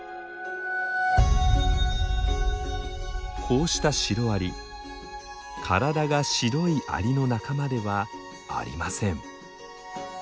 こうしたシロアリ「体が白いアリの仲間」ではありません。